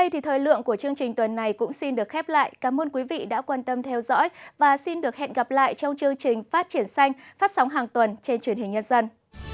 chương trình tuần này cũng xin được khép lại cảm ơn quý vị đã quan tâm theo dõi và xin được hẹn gặp lại trong chương trình phát triển xanh phát sóng hàng tuần trên truyền hình nhân dân